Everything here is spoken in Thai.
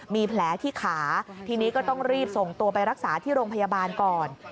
มีแผลที่ขาทีนี้ก็ต้องรีบส่งตัวไปรักษาที่โรงพยาบาลก่อน